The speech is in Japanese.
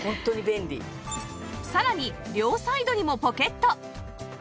さらに両サイドにもポケット！